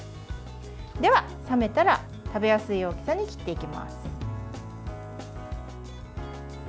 では冷めたら食べやすい大きさに切っていきます。